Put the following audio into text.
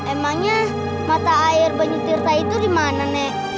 emangnya mata air banyu tirta itu di mana nek